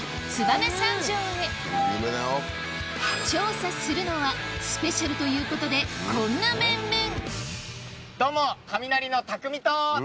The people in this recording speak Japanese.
調査するのはスペシャルということでこんな面々どうも。